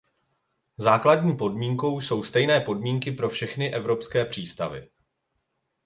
Základní podmínkou jsou stejné podmínky pro všechny evropské přístavy.